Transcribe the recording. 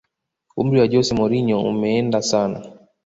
umri wa jose mourinho umeenda sana